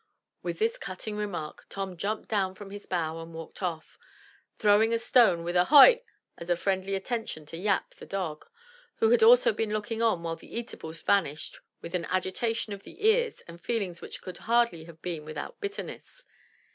With this cutting remark, Tom jumped down from his bough and walked off, throwing a stone with a "hoigh!" as a friendly attention to Yap, the dog, who had also been looking on while the eatables vanished with an agitation of the ears and feelings which could hardly have been without bitterness.